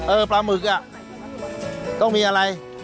เออปลาหมึกนี่ต้องมีอะไร